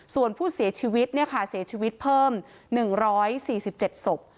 ส่วนผู้เสียชีวิตเสียชีวิตเพิ่ม๑๔๗ศพ